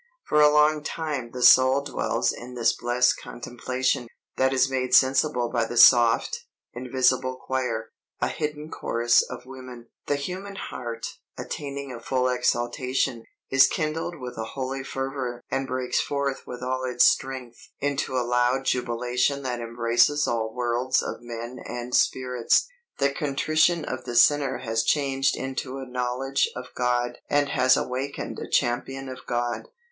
"For a long time the soul dwells in this blessed contemplation, that is made sensible by the soft, invisible choir [a hidden chorus of women]. The human heart, attaining a full exaltation, is kindled with a holy fervor and breaks forth with all its strength into a loud jubilation that embraces all worlds of men and spirits. The contrition of the sinner has changed into a knowledge of God and has awakened a champion of God.